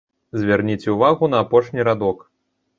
Звярніце ўвагу на апошні радок.